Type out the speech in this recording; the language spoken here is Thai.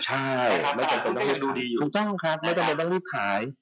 ใช่ไม่จำเป็นต้องรีบขาย